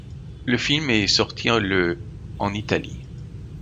Le film est sortie le en Italie.